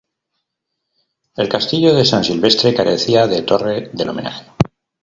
El castillo de San Silvestre carecía de torre del homenaje.